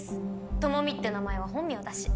朋美って名前は本名だし。